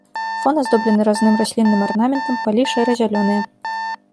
Фон аздоблены разным раслінным арнаментам, палі шэра-зялёныя.